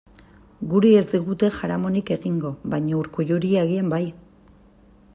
Guri ez digute jaramonik egingo, baina Urkulluri agian bai.